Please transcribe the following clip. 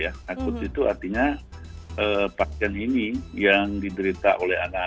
takut itu artinya pasien ini yang diderita oleh anak